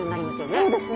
そうですね。